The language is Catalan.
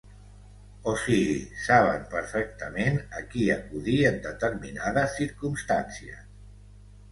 O sigui, saben perfectament a qui acudir en determinades circumstàncies.